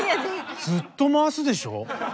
ずっと回すでしょ？